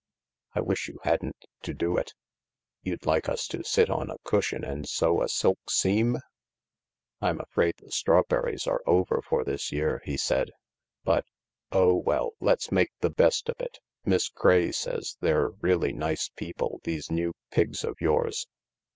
" I wish you hadn't to do it." " You'd like us to sit on a cushion and sew a silk seam ?"" I m afraid the strawberries are over for this year/' he said, " but — oh, well, let's make the best of it. Miss Craye THE LARK 227 says they're really nice people, these new Pigs of yours.